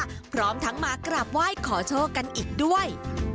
พร้อมทั้งมากราบไหว้ขอโชคกันอีกด้วย